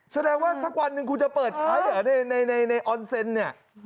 แสดงว่าสักวันหนึ่งครูจะเปิดใช้ในออนเซนต์นี่